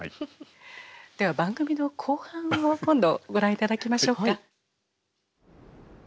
では番組の後半を今度ご覧頂きましょうか。